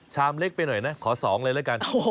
เล็กไปหน่อยนะขอ๒เลยละกัน